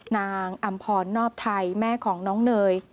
นางอำพรนอบไทยแม่ของน้องเนย